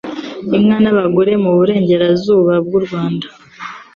inka n'abagore mu burengerazuba bw'u Rwanda